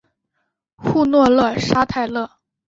瓦诺勒沙泰勒。